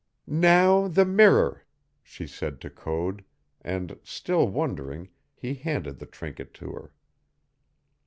"Now the mirror," she said to Code, and, still wondering, he handed the trinket to her.